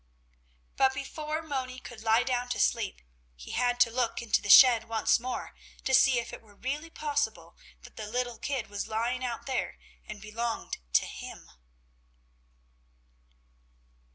But before Moni could lie down to sleep, he had to look into the shed once more, to see if it were really possible that the little kid was lying out there and belonged to him.